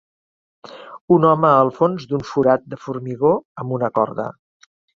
un home al fons d'un forat de formigó amb una corda.